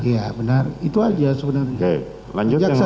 itu aja sebenarnya